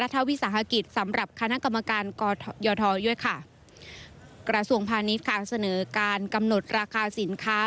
ที่กระทรวงคมานาคต์